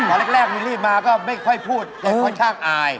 พอแรกวิลลี่มาก็ไม่ค่อยพูดแต่ค่อยช่างอาย